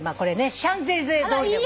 シャンゼリゼ通り。